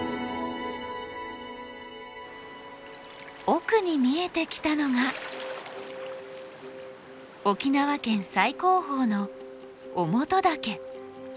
奥に見えてきたのが沖縄県最高峰の於茂登岳。